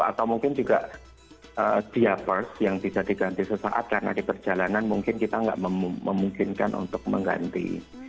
atau mungkin juga dia first yang bisa diganti sesaat karena di perjalanan mungkin kita tidak memungkinkan untuk mengganti